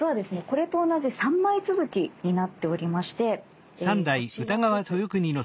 これと同じ３枚続きになっておりましてこちらです。